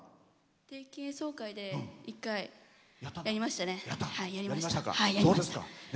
定期演奏会で１回やりましたね。